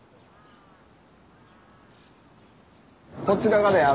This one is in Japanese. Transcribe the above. こちらがね